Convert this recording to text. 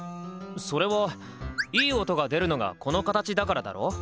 それはいい音が出るのがこの形だからだろ？